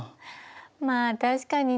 まあ確かにね